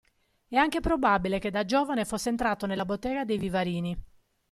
È anche probabile che da giovane fosse entrato nella bottega dei Vivarini.